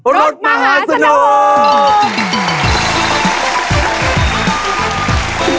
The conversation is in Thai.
รถมหาสนุก